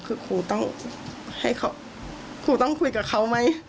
คือครูต้องให้เขาครูต้องคุยกับเขาไหม